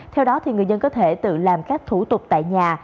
theo đó người dân có thể tự làm các thủ tục tại nhà